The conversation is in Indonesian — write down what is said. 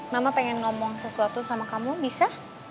mama pengen ngomong sesuatu sama kamu bisa